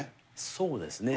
そうですね。